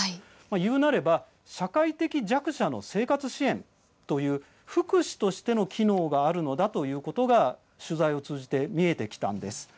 いうなれば社会的弱者の生活支援という福祉としての機能があるのだということが取材を通じて見えてきたんです。